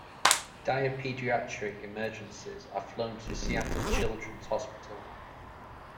Dire pediatric emergencies are flown to Seattle Children's Hospital.